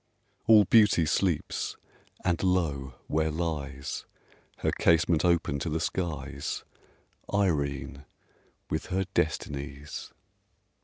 All Beauty sleeps! and lo! where lies (Her casement open to the skies) Irene, with her Destinies!